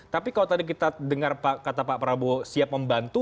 tapi kalau tadi kita dengar kata pak prabowo siap membantu